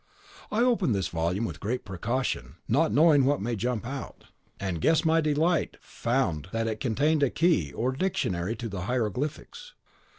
I opened this volume with great precaution, not knowing what might jump out, and guess my delight found that it contained a key or dictionary to the hieroglyphics.